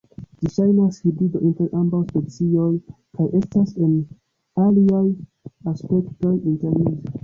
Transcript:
Ĝi ŝajnas hibrido inter ambaŭ specioj, kaj estas en aliaj aspektoj intermeza.